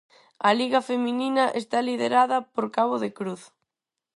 A Liga feminina está liderada por Cabo de Cruz.